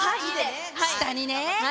下にね。